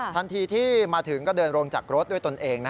ทันทีที่มาถึงก็เดินลงจากรถด้วยตนเอง